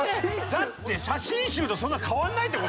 だって写真集とそんな変わんないって事？